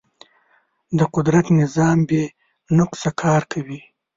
د قدرت نظام بې نقصه کار کوي.